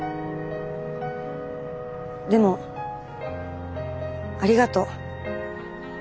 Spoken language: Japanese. でもありがとう。